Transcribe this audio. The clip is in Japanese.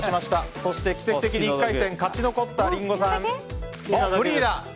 そして奇跡的に１回戦勝ち残ったリンゴさん。